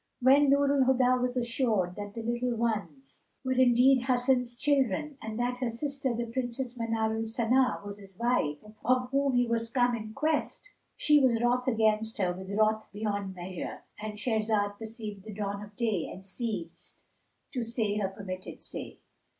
When Nur al Huda was assured that the little ones were indeed Hasan's children and that her sister, the Princess Manar al Sana, was his wife, of whom he was come in quest, she was wroth against her with wrath beyond measure.—And Shahrazad perceived the dawn of day and ceased to say her permitted say.